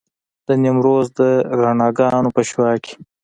د نیمروز د رڼاګانو په شعاع کې.